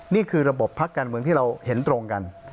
นี่คือระบบพักการเมืองที่เราเห็นตรงกัน